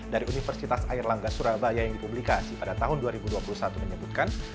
dari universitas airlangga surabaya yang dipublikasi pada tahun dua ribu dua puluh satu menyebutkan